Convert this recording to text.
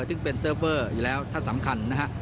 ซึ่งเป็นเซิร์ฟเวอร์อยู่แล้วถ้าสำคัญนะฮะ